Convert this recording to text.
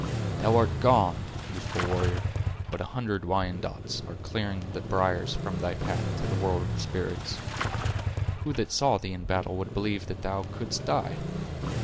Thou art gone, youthful warrior, but a hundred Wyandots are clearing the briers from thy path to the world of the spirits. Who that saw thee in battle would believe that thou couldst die?